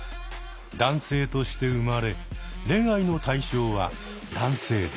男性として生まれ恋愛の対象は男性です。